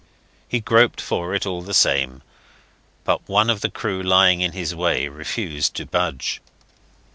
He groped for it all the same, but one of the crew lying in his way refused to budge.